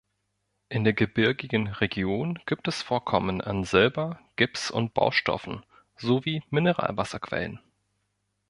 In der gebirgigen Region gibt es Vorkommen an Silber, Gips und Baustoffen sowie Mineralwasserquellen.